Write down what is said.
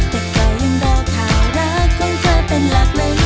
เป็นไรแล้วมั้ย